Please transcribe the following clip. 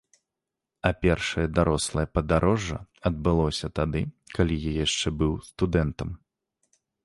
А першае дарослае падарожжа адбылося тады, калі я яшчэ быў студэнтам.